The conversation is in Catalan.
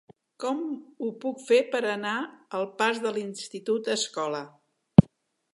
Com ho puc fer per anar al pas de l'Institut Escola?